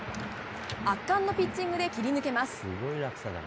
圧巻のピッチングで切り抜けます。